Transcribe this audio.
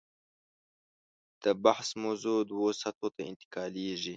د بحث موضوع دوو سطحو ته انتقالېږي.